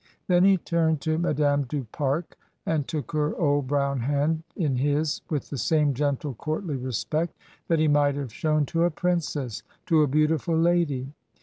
Then he turned to Madame du Pare, and took her old brown hand in his with the same gentle, courtly respect that he might have shown to a princess, to a beautiful lady.